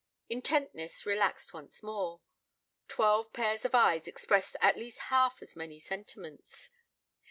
Intentness relaxed once more. Twelve pairs of eyes expressed at least half as many sentiments.